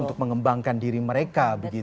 untuk mengembangkan diri mereka begitu ya